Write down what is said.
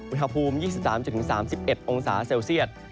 อุณหภูมิ๒๓๓๑องศาเซลเซียต